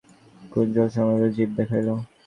কুসুম সলজ্জভাবে জিভ দেখাইল।